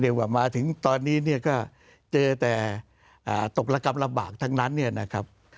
ว่ามาถึงตอนนี้เนี่ยก็เจอแต่ตกระกรรมลำบากทั้งนั้นเนี่ยนะครับ